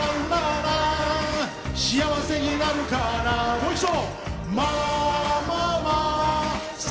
もう一度。